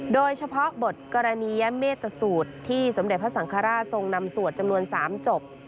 โดยเฉพาะบทกรณียเมตตสูตรที่สมเด็จพระสังฆราชทรงนำสวดจำนวน๓จบ